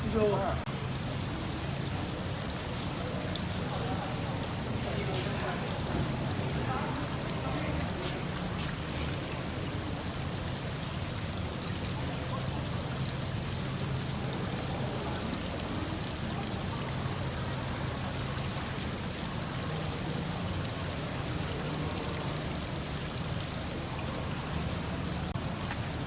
สวัสดีครับสวัสดีครับ